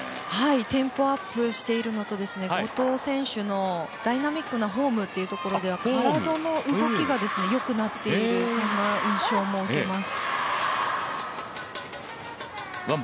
テンポアップしているのと後藤選手のダイナミックのフォームというところは体の動きがよくなっているそんな印象も受けます。